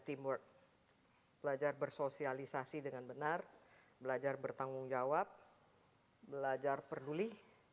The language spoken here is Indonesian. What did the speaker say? teamwork belajar bersosialisasi dengan benar belajar bertanggung jawab belajar peduli